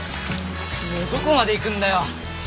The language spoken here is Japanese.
どこまで行くんだよ？